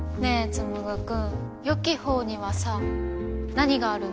つむぐくんよき方にはさ何があるの？